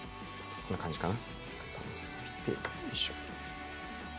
こんな感じかな？